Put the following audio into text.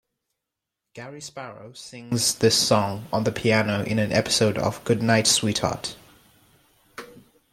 Gary Sparrow sings this song on the piano in an episode of "Goodnight Sweetheart".